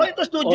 kalau itu setuju